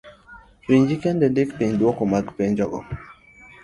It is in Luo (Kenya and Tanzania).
winji kendo indik piny duoko mag penjogo.